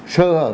sơ ở trị lượng